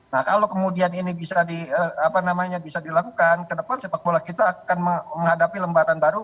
nah kalau kemudian ini bisa dilakukan ke depan sepak bola kita akan menghadapi lembaran baru